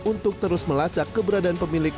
untuk terus melacak keberadaan pemilik